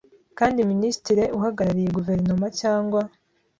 kandi Minisitiri uhagarariye Guverinoma cyangwa